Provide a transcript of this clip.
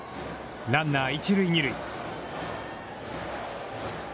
ランナー一塁二塁。